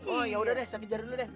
oh yaudah deh saya kejar dulu deh